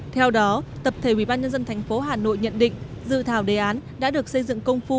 theo đó tập thể ubnd tp hà nội nhận định dự thảo đề án đã được xây dựng công phu